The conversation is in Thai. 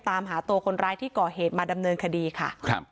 ตามหาตัวคนร้ายที่ก่อเหตุมาดำเนินคดีค่ะ